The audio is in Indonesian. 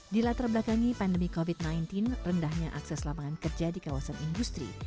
di latar belakangi pandemi covid sembilan belas rendahnya akses lapangan kerja di kawasan industri